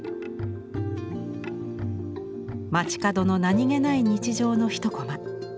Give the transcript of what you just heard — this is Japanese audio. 街角の何気ない日常の一コマ。